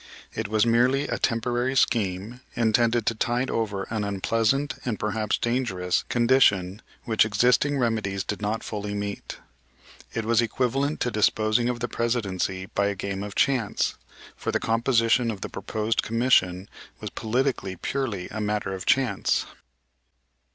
It was merely a temporary scheme, intended to tide over an unpleasant, and perhaps dangerous, condition which existing remedies did not fully meet. It was equivalent to disposing of the Presidency by a game of chance, for the composition of the proposed commission was, politically, purely a matter of chance.